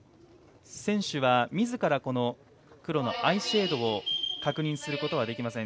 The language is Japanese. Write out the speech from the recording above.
選手はみずから黒のアイシェードを確認することはできません。